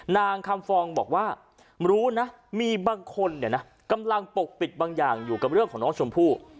นางคำฟองบอกว่ารู้นะมีบางคนเนี่ยนะกำลังปกปิดบางอย่างอยู่กับเรื่องของน้องชมพู่